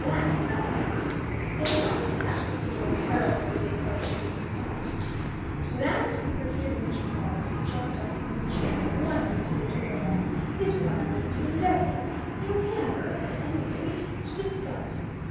That " A light tap at the door heralded the approach of Mrs. Summers. "That," repeated Mr. Pawle, as he jumped up from his chair and politely threw the door open, "is what I mean to endeavour endeavour, at any rate to discover.